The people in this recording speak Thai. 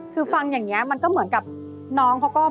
คือฟังอย่างนี้มันก็เหมือนกับน้องเขาก็